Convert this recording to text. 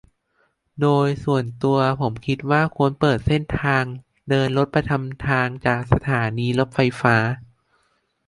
โดยส่วนตัวผมคิดว่าควรเปิดเส้นทางเดินรถประจำทางจากสถานีรถไฟฟ้า